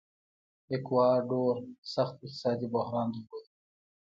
ایکواډور سخت اقتصادي بحران درلود.